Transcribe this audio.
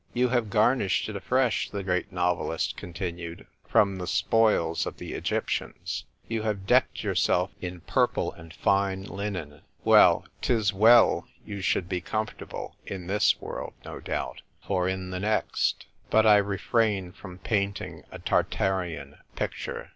" You have garnished it afresh," the great novelist continued, "from the spoils of the Egyptians. You have decked yourself in purple and fine linen ! Well, 'tis well you 148 THE TYPE WRITER GIRL. should be comfortable in this world, no doubt: for in the next But I refrain from painting a Tartarean picture.